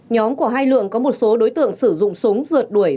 nhóm của hai lượng có một số đối tượng sử dụng súng rượt đuổi